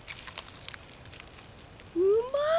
うまい！